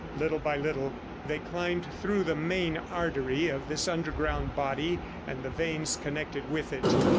Little by little they climbed through the main artery of this underground body and the veins connected with it.